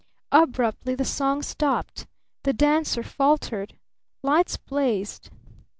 Abruptly the song stopped! The dancer faltered! Lights blazed!